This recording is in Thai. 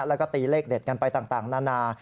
แล้วก็ตีเลขเด็ดกันไปต่างนานา